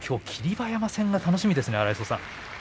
馬山戦が楽しみですね。